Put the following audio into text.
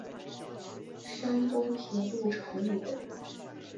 山东平度城里人。